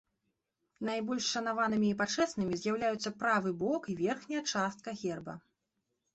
Найбольш шанаванымі і пачэснымі з'яўляюцца правы бок і верхняя частка герба.